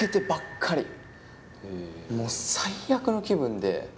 もう最悪の気分で。